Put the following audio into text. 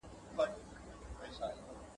ولې ځینې محصلین ناراضي وي؟